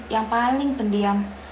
yang paling pendiam